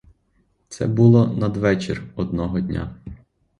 Це було надвечір одного дня.